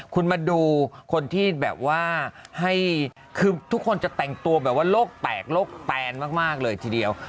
คุณมาดูคนที่แบบว่าให้คือทุกคนจะแต่งตัวแบบว่าโลกแตกโลกแตนมากเลยทีเดียว